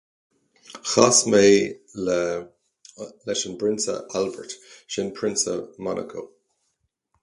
Chas mé le... leis an bPrionsa Albert, sin Prionsa Monaco.